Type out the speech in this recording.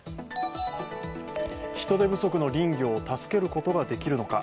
人手不足の林業を助けることができるのか。